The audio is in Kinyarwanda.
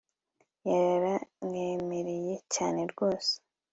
yara mwemereye cyane rwose